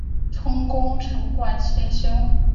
充功臣馆协修。